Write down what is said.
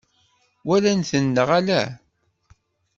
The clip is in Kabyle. Walan-ten neɣ ala?